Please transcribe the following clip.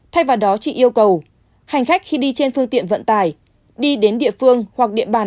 thay vào đó chị yêu cầu hành khách khi đi trên phương tiện vận tải đi đến địa phương hoặc địa bàn